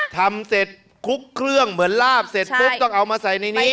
ทำเสร็จคลุกเครื่องเหมือนลาบเสร็จปุ๊บต้องเอามาใส่ในนี้